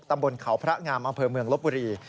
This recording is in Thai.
ตำบลเขาพระงามอำเภอเมืองลบบุรี